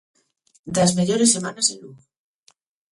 Das mellores semanas en Lugo.